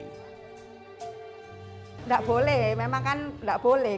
tidak boleh memang kan tidak boleh